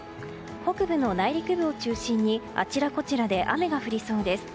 北部の内陸部を中心にあちらこちらで雨が降りそうです。